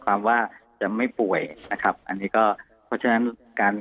ความว่าจะไม่ป่วยนะครับอันนี้ก็เพราะฉะนั้นการ